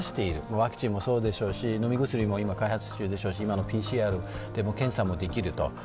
ワクチンもそうですし飲み薬も開発中でしょうし、ＰＣＲ検査もできると。